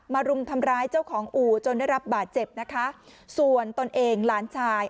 รุมทำร้ายเจ้าของอู่จนได้รับบาดเจ็บนะคะส่วนตนเองหลานชาย